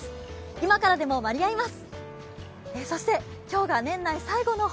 今からでも間に合います。